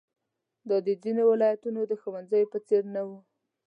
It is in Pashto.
دا د ځینو ولایتونو د ښوونځیو په څېر نه وه.